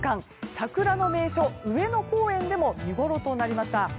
桜の名所・上野公園でも見ごろとなりました。